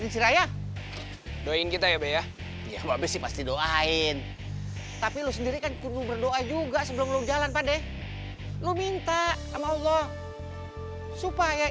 sudah ayo kita berdua sama sama ya